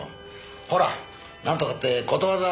ほらなんとかってことわざあるでしょ。